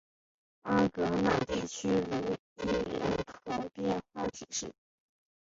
阿戈讷地区茹伊人口变化图示